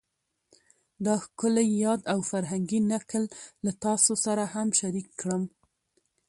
دا ښکلی یاد او فرهنګي نکل له تاسو سره هم شریک کړم